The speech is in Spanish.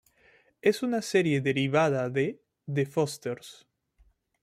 Es una serie derivada de "The Fosters".